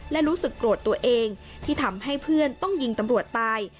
และรู้สึกโกรธตัวเองที่ทำให้เพื่อนต้องยิงตำรวจตาย